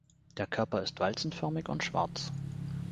Der Körper ist walzenförmig und schwarz.